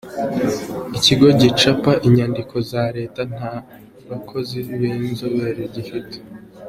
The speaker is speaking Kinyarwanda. “Ikigo gicapa inyandiko za Leta nta bakozi b’inzobere gifite”